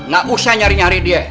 gak usah nyari nyari dia